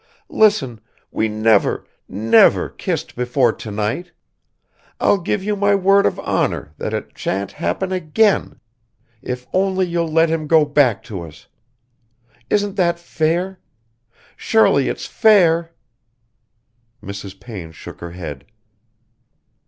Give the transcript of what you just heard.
Listen, we never, never kissed before to night. I'll give you my word of honour that it shan't happen again ... if only you'll let him go back to us. Isn't that fair? Surely it's fair...." Mrs. Payne shook her head.